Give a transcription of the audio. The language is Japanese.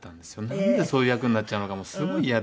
なんでそういう役になっちゃうのかすごいイヤで。